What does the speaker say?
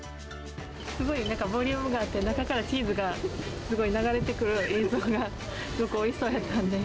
すごいボリュームがあって、中からチーズがすごい流れてくる映像が、すごくおいしそうだったんで。